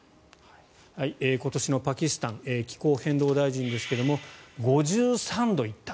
今年のパキスタン気候変動大臣ですが５３度行った。